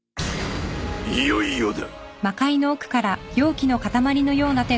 いよいよだ！